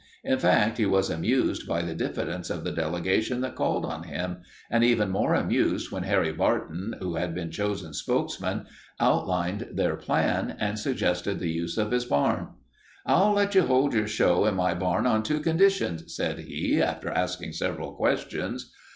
In fact, he was amused by the diffidence of the delegation that called on him, and even more amused when Harry Barton, who had been chosen spokesman, outlined their plan and requested the use of his barn. "I'll let you hold your show in my barn on two conditions," said he, after asking several questions.